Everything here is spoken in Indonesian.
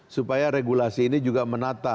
supaya regulasi ini juga menata